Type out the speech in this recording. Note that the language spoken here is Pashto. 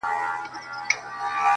په وینا سو په کټ کټ سو په خندا سو-